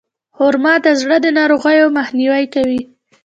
خرما د زړه د ناروغیو مخنیوی کوي.